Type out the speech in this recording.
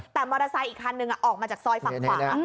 แต่มอเตอร์ไซค์อีกคันนึงออกมาจากซอยฝั่งขวา